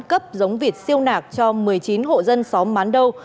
cấp giống vịt siêu nạc cho một mươi chín hộ dân xóm mán đâu